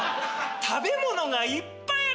食べ物がいっぱいある！